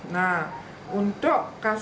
nah untuk kasusnya